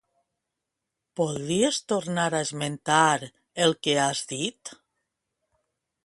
Podries tornar a esmentar el que has dit?